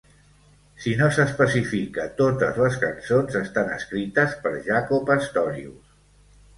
Si no s'especifica, totes les cançons estan escrites per Jaco Pastorius.